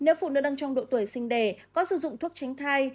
nếu phụ nữ đang trong độ tuổi sinh đẻ có sử dụng thuốc tránh thai